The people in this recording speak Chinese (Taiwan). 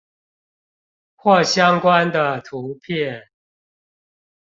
或相關的圖片